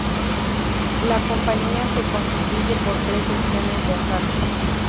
La compañía se constituye por tres secciones de asalto.